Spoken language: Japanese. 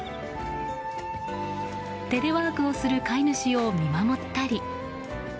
テレワークをする飼い主を見守ったり。